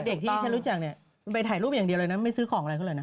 เด็กที่ฉันรู้จักเนี่ยไปถ่ายรูปอย่างเดียวเลยนะไม่ซื้อของอะไรเขาเลยนะ